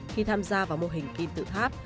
khi tham gia vào mô hình kim tự tháp